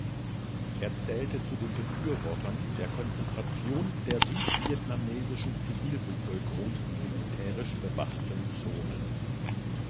Er zählte zu den Befürwortern der Konzentration der südvietnamesischen Zivilbevölkerung in militärisch bewachten Zonen.